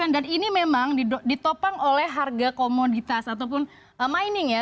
dan ini memang ditopang oleh harga komoditas ataupun mining ya